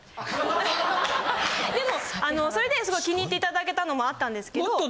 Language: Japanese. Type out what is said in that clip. でもそれですごい気に入っていただけたのもあったんですけど。